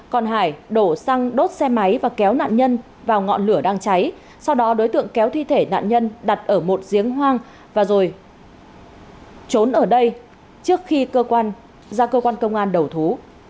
còn hải đổ xăng đốt xe máy và kéo nạn nhân vào ngọn lửa đang cháy sau đó đối tượng kéo thi thể nạn nhân đặt ở một giếng hoang và rồi trốn ở đây trước khi cơ quan ra cơ quan công an đầu thú